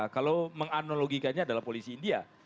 kalau menganalogikannya adalah polisi india